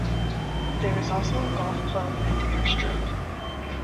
There is also a golf club and air strip.